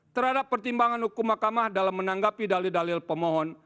terhadap pertimbangan hukum mahkamah dalam menanggapi dalil dalil pemohon